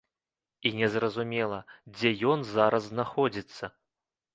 І незразумела, дзе ён зараз знаходзіцца.